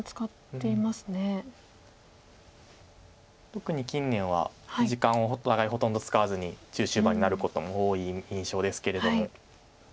特に近年は時間をお互いほとんど使わずに中終盤になることも多い印象ですけれども。